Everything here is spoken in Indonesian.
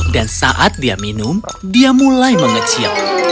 dan saat dia minum dia mulai mengecil